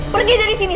pergi dari sini